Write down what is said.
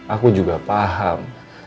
aku juga paham